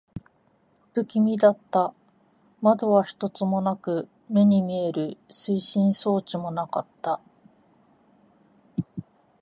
不気味だった。窓は一つもなく、目に見える推進装置もなかった。